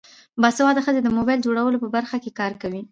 باسواده ښځې د موبایل جوړولو په برخه کې کار کوي.